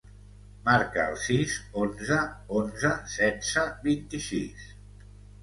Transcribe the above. Marca el sis, onze, onze, setze, vint-i-sis.